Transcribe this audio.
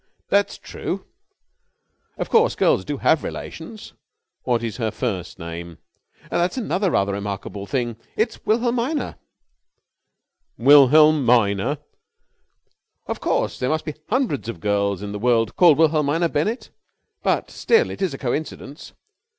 "That's true. Of course, girls do have relations." "What is her first name?" "That is another rather remarkable thing. It's Wilhelmina." "Wilhelmina!" "Of course, there must be hundreds of girls in the world called Wilhelmina Bennett, but still it is a coincidence."